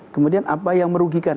kemudian apa yang merugikan